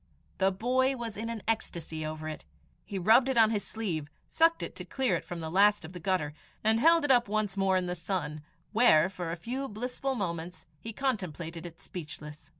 The boy was in an ecstasy over it. He rubbed it on his sleeve, sucked it to clear it from the last of the gutter, and held it up once more in the sun, where, for a few blissful moments, he contemplated it speechless.